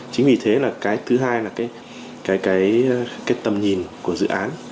chính vì thế là cái thứ hai là cái tầm nhìn của dự án